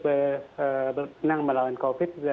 senang melawan covid sembilan belas